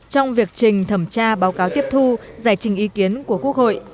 trong việc trình thẩm tra báo cáo tiếp thu giải trình ý kiến của quốc hội